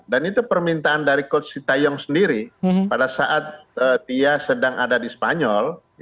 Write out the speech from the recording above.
dan itu permintaan dari coach sintayang sendiri pada saat dia sedang ada di spanyol